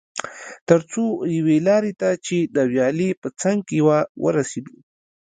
تر څو یوې لارې ته چې د ویالې په څنګ کې وه ورسېدو.